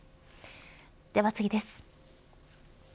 では次です。